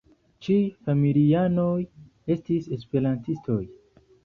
Ĉiuj familianoj estis Esperantistoj.